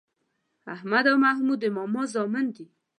احمد او محمود د ماما زامن دي